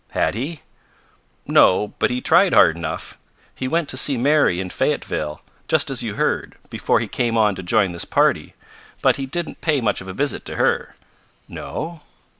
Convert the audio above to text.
"Had he?" "No, but he tried hard enough. He went to see Mary in Fayetteville, just as you heard, before he came on to join his party, but he didn't pay much of a visit to her." "No?"